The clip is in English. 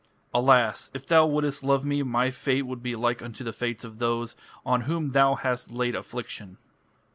Alas! if thou wouldst love me, my fate would be like unto the fates of those on whom thou hast laid affliction."